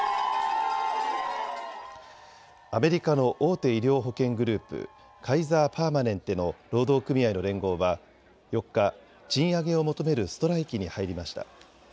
アメリカの大手医療・保険グループ、カイザー・パーマネンテの労働組合の連合は４日、賃上げを求めるストライキに入りました。